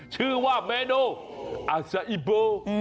ชื่อว่าเมนูอาซาอิโบ